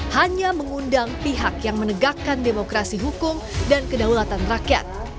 hanya mengundang pihak yang menegakkan demokrasi hukum dan kedaulatan rakyat